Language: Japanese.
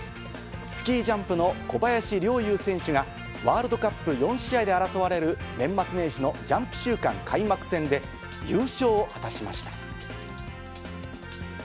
スキージャンプの小林陵侑選手が、ワールドカップ４試合で争われる、年末年始のジャンプ週間開幕戦で、優勝を果たしました。